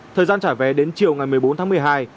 thời gian trả vé đến chiều ngày một mươi bốn tháng một mươi hai